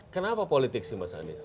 kenapa politik sih mas anies